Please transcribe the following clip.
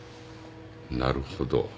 なるほど。